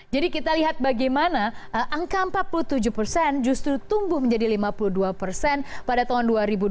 jadi kita lihat bagaimana angka empat puluh tujuh persen justru tumbuh menjadi lima puluh dua persen pada tahun dua ribu dua puluh